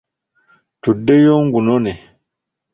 Tuddeyo ngunone.